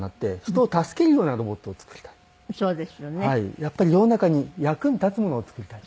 やっぱり世の中に役に立つものを作りたいと。